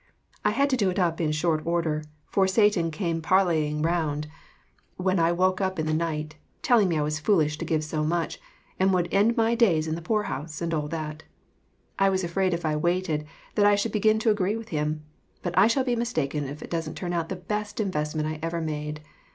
I had to do it up in short order, for Satan came parleying round when AUNT HANNAH'S LETTER TO HER SISTER. 13 I woke up in the night, telling me I was foolish ' to give so much, and I would end my days in the poor house, and all that. I was afraid if I waited, that I should begin to agree with him. But I shall be mistaken if it doesn't turn out the best invest ment I ever made.